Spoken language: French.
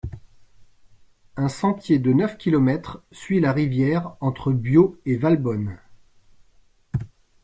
Un sentier de neuf kilomètres suit la rivière entre Biot et Valbonne.